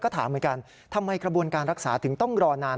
ก็ถามเหมือนกันทำไมกระบวนการรักษาถึงต้องรอนาน